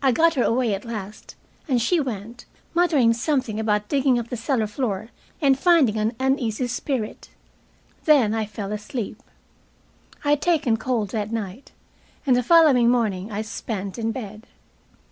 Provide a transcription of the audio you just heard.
I got her away at last, and she went, muttering something about digging up the cellar floor and finding an uneasy spirit. Then I fell asleep. I had taken cold that night, and the following morning I spent in bed.